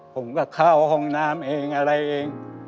ผมก็เข้าห้องน้ำเองอะไรเอง